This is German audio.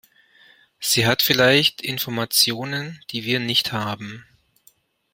Sie hat vielleicht Informationen, die wir nicht haben.